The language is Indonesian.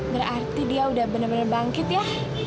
berarti dia udah bener bener bangkit ya